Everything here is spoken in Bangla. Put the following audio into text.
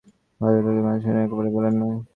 ভদ্রলোক গল্পের মাঝখানে একবারও বললেন না।